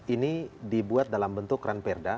ini dibuat dalam bentuk ran perda